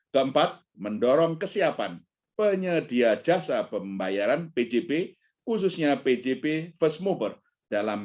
dua ribu dua puluh dua keempat mendorong kesiapan penyedia jasa pembayaran pjb khususnya pjb first mover dalam